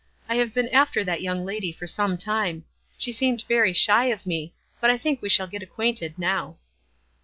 "I have been after that young lady for some time. She seemed very shy of me ; but I think we shall get acquainted now."